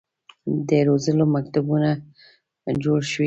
د روزلو مکتبونه جوړ شي.